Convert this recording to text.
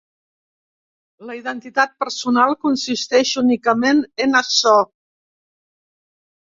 La identitat personal consisteix únicament en açò.